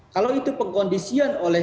kalau itu pengkondisian oleh